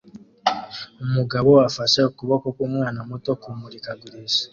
Umugabo afashe ukuboko kwumwana muto kumurikagurisha